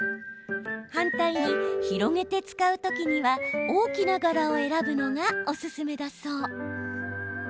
反対に広げて使うときには大きな柄を選ぶのがおすすめだそう。